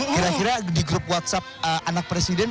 kira kira di grup whatsapp anak presiden